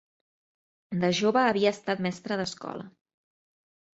De jove havia estat mestra d'escola.